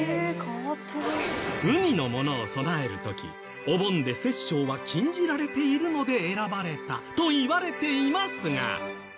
海のものを供える時お盆で殺生は禁じられているので選ばれたといわれていますが。